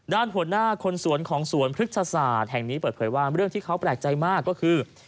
ด้านหัวหน้าคนสวนของสวนพฤกษศาสตร์แห่งนี้เปิดเผยว่าเรื่องที่เขาแปลกใจมากก็คือ